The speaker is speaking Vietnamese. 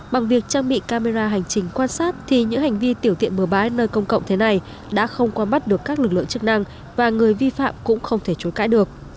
bằng việc trang bị camera hành trình quan sát thì những hành vi tiểu tiện bừa bãi nơi công cộng thế này đã không qua mắt được các lực lượng chức năng và người vi phạm cũng không thể chối cãi được